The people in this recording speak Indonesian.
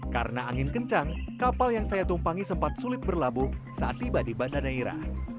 karena angin kencang kapal yang saya tumpangi sempat sulit berlabuh saat tiba di banda neira